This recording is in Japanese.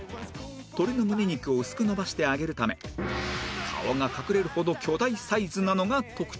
鶏のむね肉を薄くのばして揚げるため顔が隠れるほど巨大サイズなのが特徴